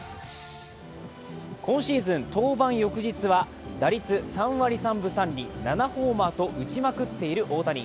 今シーズン登板翌日は打率３割３分３厘７ホーマーと打ちまくっている大谷。